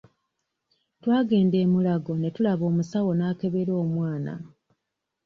Twagenda e Mulago ne tulaba omusawo n'akebera omwana.